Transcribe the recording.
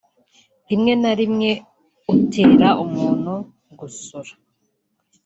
rimwe na rimwe utera umuntu gusura